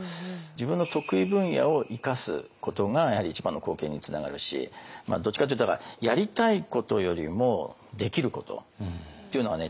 自分の得意分野を生かすことがやはり一番の貢献につながるしどっちかっていうとだからやりたいことよりもできることっていうのはね